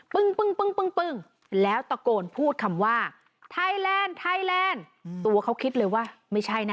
ปึ้งแล้วตะโกนพูดคำว่าไทยแลนด์ไทยแลนด์ตัวเขาคิดเลยว่าไม่ใช่นะ